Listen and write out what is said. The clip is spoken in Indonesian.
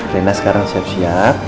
reina sekarang siap siap